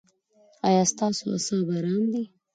ایا ستاسو اعصاب ارام دي؟